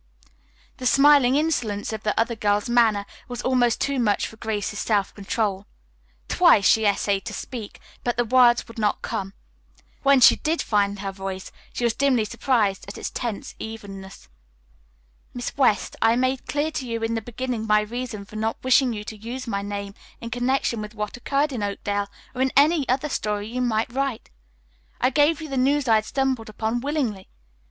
The smiling insolence of the other girl's manner was almost too much for Grace's self control. Twice she essayed to speak, but the words would not come. When she did find her voice she was dimly surprised at its tense evenness. "Miss West, I made clear to you in the beginning my reason for not wishing you to use my name in connection with what occurred in Oakdale or in any other story you might write. I gave you the news I had stumbled upon willingly.